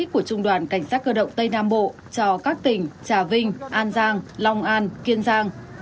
của trung đoàn cảnh sát cơ động tây nam bộ cho các tỉnh trà vinh an giang long an kiên giang